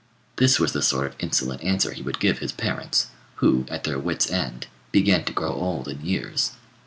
This was the sort of insolent answer he would give his parents, who, at their wits' end, began to grow old in years.